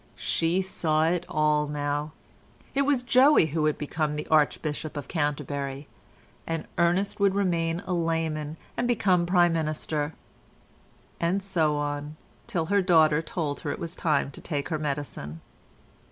She saw it all now—it was Joey who would become Archbishop of Canterbury and Ernest would remain a layman and become Prime Minister" ... and so on till her daughter told her it was time to take her medicine.